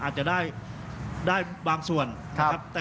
อาจจะได้บางส่วนนะครับ